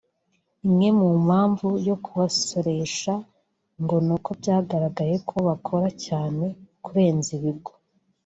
Imwe mu mpamvu yo kubasoresha ngo ni uko byagaragaye ko bakora cyane kurenza ibigo